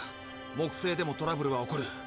木星でもトラブルは起こる。